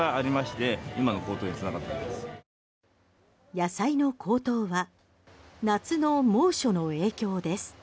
野菜の高騰は夏の猛暑の影響です。